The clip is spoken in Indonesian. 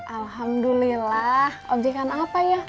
alhamdulillah objekan apa ya